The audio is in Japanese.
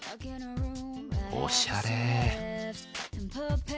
おしゃれ。